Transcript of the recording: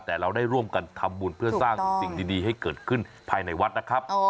แต่เราได้ร่วมกันทำบุญเพื่อสร้างสิ่งดีให้เกิดขึ้นภายในวัดนะครับ